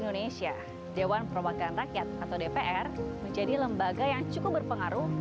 di dewan perwakilan rakyat atau dpr menjadi lembaga yang cukup berpengaruh